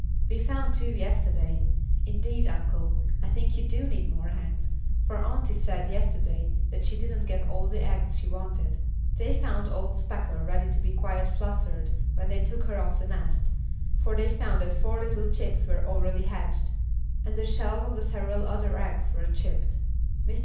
"We found two yesterday. Indeed, uncle, I think you do need more hens, for auntie said yesterday that she didn't get all the eggs she wanted." They found old Speckle ready to be quite flustered when they took her off the nest, for they found that four little chicks were already hatched, and the shells of several other eggs were chipped. Mr.